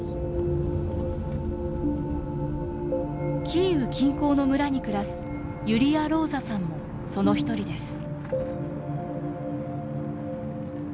キーウ近郊の村に暮らすユリア・ローザさんもその１人です。